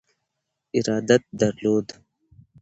ارادت درلود.